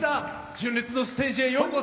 「純烈のステージへようこそ」